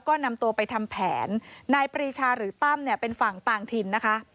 ก็นำตัวไปทำแผนนายปรีชาหรือตั้มเนี่ยเป็นฝั่งต่างถิ่นนะคะ